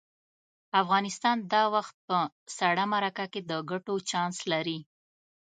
افغانستان دا وخت په سړه مرکه کې د ګټو چانس لري.